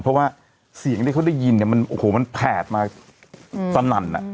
เพราะว่าเสียงที่เขาได้ยินเนี่ยมันโอ้โหมันแผดมาสนั่น